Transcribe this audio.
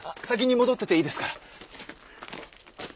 先に戻ってていいですから。